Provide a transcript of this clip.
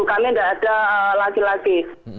kami tidak ada laki laki